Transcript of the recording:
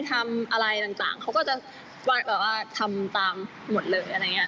ทำอะไรต่างเขาก็จะว่าทำตามหมดเลย